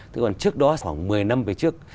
thế còn trước đó khoảng một mươi năm về trước